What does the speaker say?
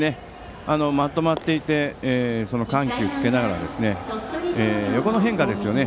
まとまっていて緩急をつけながら横の変化ですよね。